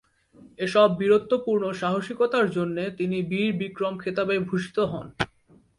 এসব বীরত্বপূর্ণ সাহসিকতার জন্যে তিনি ‘বীর বিক্রম’ খেতাবে ভূষিত হন।